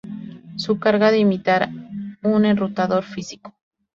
Se encarga de imitar un enrutador físico.